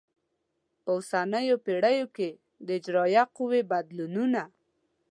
په اوسنیو پیړیو کې د اجرایه قوې بدلونونه